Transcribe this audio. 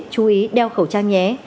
chú ý đeo khẩu trang nhé